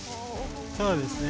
そうですね。